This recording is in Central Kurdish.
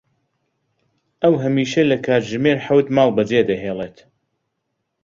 ئەو هەمیشە لە کاتژمێر حەوت ماڵ بەجێ دەهێڵێت.